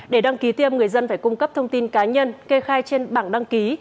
để đăng ký tiêm người dân phải cung cấp thông tin cá nhân kê khai trên bảng đăng ký